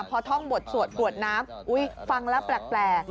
พอท่องบทสวดกรวดน้ำอุ๊ยฟังแล้วแปลก